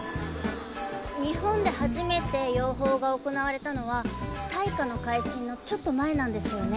日本で初めて養蜂が行われたのは大化の改新のちょっと前なんですよね？